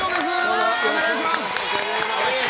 よろしくお願いします。